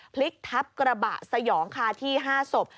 พลิกทับกระบะสยองคาที่๕ศพ